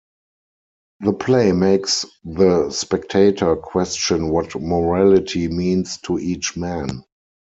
The play makes the spectator question what morality means to each man.